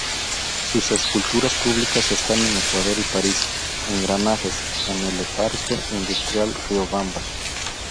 Sus esculturas públicas están en Ecuador y París: Engranajes en le Parque Industrial Riobamba.